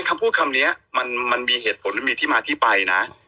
คำพูดคำนี้มันมีเหตุผลหรือมีที่มาที่ไปนะ